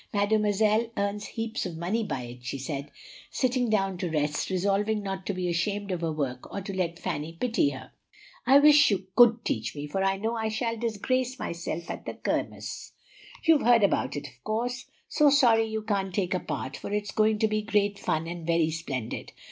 Mademoiselle earns heaps of money by it," she said, sitting down to rest, resolved not to be ashamed of her work or to let Fanny pity her. "I wish you COULD teach me, for I know I shall disgrace myself at the Kirmess. You've heard about it, of course? So sorry you can't take a part, for it's going to be great fun and very splendid.